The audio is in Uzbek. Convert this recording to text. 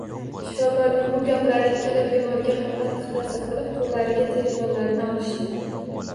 Shifokorning bu gaplari ikkala bemorga ham qattiq taʼsir qilib, qoʼllariga telefonlarini olishdi…